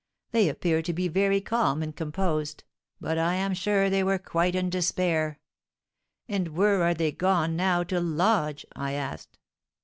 They appeared to be very calm and composed, but I am sure they were quite in despair.' 'And where are they gone now to lodge?' I asked.